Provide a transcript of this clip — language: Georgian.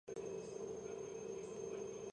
სამივე სახლი ნაგებია ფიქლით.